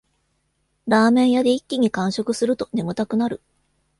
ラーメン屋で一気に完食すると眠たくなる